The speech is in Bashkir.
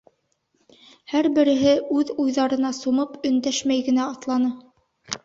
Һәр береһе үҙ уйҙарына сумып өндәшмәй генә атланы.